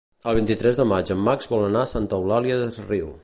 El vint-i-tres de maig en Max vol anar a Santa Eulària des Riu.